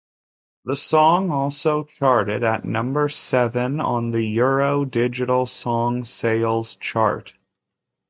The song also charted at number seven on the Euro Digital Song Sales chart.